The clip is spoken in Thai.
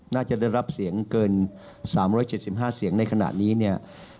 น่าจะได้รับเสียงเกิน๓๗๕เสียงในขณะนี้เนี่ย